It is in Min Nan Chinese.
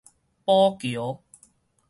寶橋